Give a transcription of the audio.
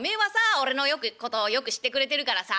俺のことをよく知ってくれてるからさ